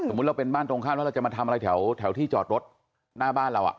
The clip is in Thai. เราเป็นบ้านตรงข้ามแล้วเราจะมาทำอะไรแถวที่จอดรถหน้าบ้านเรา